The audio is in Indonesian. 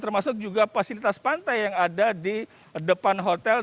termasuk juga fasilitas pantai yang ada di depan hotel